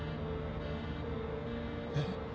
えっ？